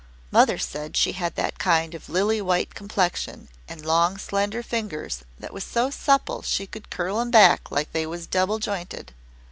Mother said she had that kind of lily white complexion and long slender fingers that was so supple she could curl 'em back like they was double jointed.